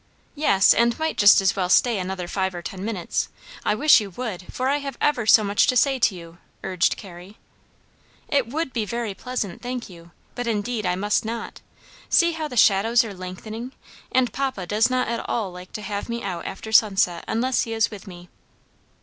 "Yes, and might just as well stay another five or ten minutes. I wish you would; for I have ever so much to say to you," urged Carrie. "It would be very pleasant, thank you, but indeed I must not. See how the shadows are lengthening, and papa does not at all like to have me out after sunset unless he is with me."